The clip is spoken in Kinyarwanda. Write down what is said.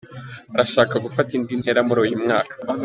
Arashaka gufata indi ntera muri uyu mwaka.